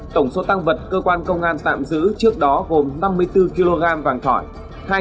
tổng số tăng vật cơ quan công an tạm giữ trước đó gồm năm mươi bốn kg vàng thỏi